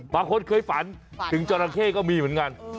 บางคนเคยฝันถึงจราเข้ก็มีเหมือนกัน